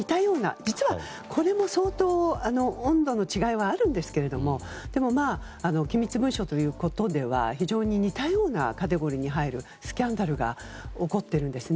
実はこれも相当温度の違いはあるんですけどもでもまあ機密文書ということでは非常に似たようなカテゴリーに入るスキャンダルが起こっているんですね。